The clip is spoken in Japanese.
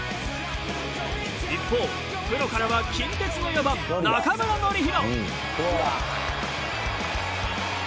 一方プロからは近鉄の４番中村紀洋。